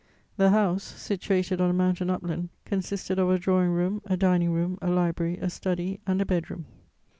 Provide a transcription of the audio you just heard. The house, situated on a mountain upland, consisted of a drawing room, a dining room, a library, a study and a bed room.